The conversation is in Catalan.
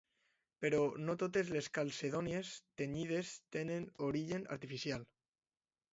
Però no totes les calcedònies tenyides tenen origen artificial.